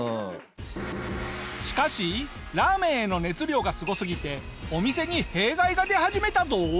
しかしラーメンへの熱量がすごすぎてお店に弊害が出始めたぞ！